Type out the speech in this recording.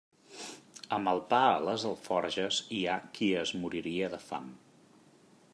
Amb el pa a les alforges hi ha qui es moriria de fam.